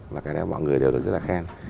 và cái đó mọi người đều rất là khen